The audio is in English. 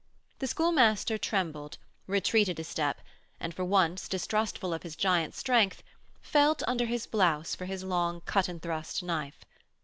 The Schoolmaster trembled, retreated a step, and, for once, distrustful of his giant strength, felt under his blouse for his long cut and thrust knife.